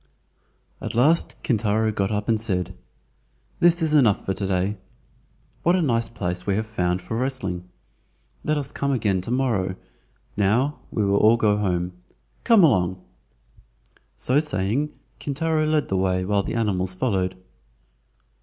At last Kintaro got up and said: "This is enough for to day. What a nice place we have found for wrestling; let us come again to morrow. Now, we will all go home. Come along!" So saying, Kintaro led the way while the animals followed.